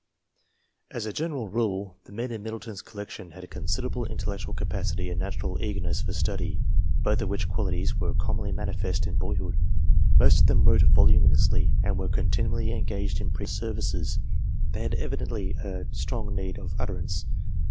As a general rule, the men in Middle ton's collection had considerable intellectual capacity and natural eagerness for study, both of which qualities were commonly manifest in boyhood. Most of them wrote voluminously, and were continually engaged in preachings and religious services. They had evidently a strong need of utterance.